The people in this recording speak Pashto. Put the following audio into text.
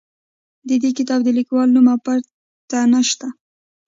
د دې کتاب د لیکوال نوم او پته نه شته.